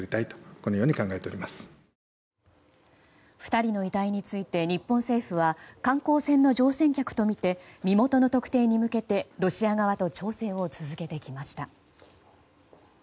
２人の遺体について日本政府は観光船の乗船客とみて身元の特定に向けてロシア側と調整を続けてきました。